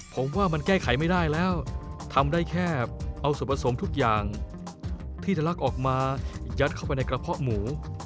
ผมว่ามันแก้ไขไม่ได้แล้วทำได้แค่เอาส่วนผสมทุกอย่างที่ทะลักออกมายัดเข้าไปในกระเพาะหมู